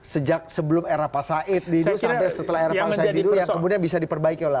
sejak sebelum era pak said didu sampai setelah era pak said didu yang kemudian bisa diperbaiki oleh